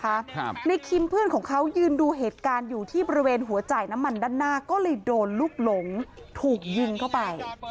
ครับในคิมเพื่อนของเขายืนดูเหตุการณ์อยู่ที่บริเวณหัวจ่ายน้ำมันด้านหน้าก็เลยโดนลูกหลงถูกยิงเข้าไป